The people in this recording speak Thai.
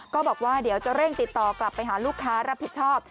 ก็บอกว่าเดี๋ยวจะเร่งติดต่อกลับไปหาลูกค้ารับผิดชอบ